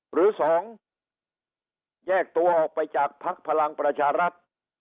หรือ๒แยกตัวออกไปจากภักดิ์พลังประชารัฐ